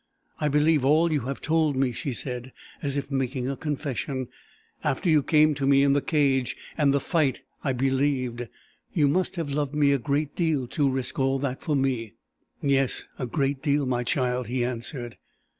"I believe all you have told me," she said, as if making a confession. "After you came to me in the cage and the fight I believed. You must have loved me a great deal to risk all that for me." "Yes, a great deal, my child," he answered.